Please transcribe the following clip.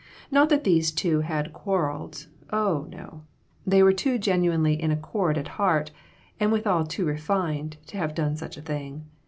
Not that these two had quar reled ; oh, no. They were too genuinely in accord at heart, and withal too refined, to have done such a thing.